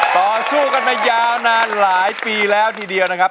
ต่อสู้กันมายาวนานหลายปีแล้วทีเดียวนะครับ